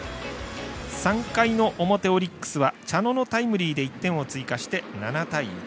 ３回の表、オリックスは茶野のタイムリーで１点を追加して７対１。